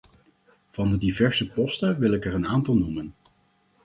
Van de diverse posten wil ik er een aantal noemen.